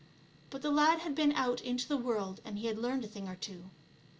But the lad had been out into the world, and had learned a thing or two.